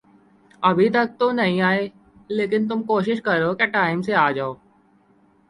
ابھی تک تو نہیں آئے، لیکن تم کوشش کرو کے ٹائم سے آ جاؤ۔